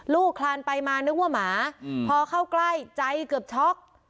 คลานไปมานึกว่าหมาพอเข้าใกล้ใจเกือบช็อก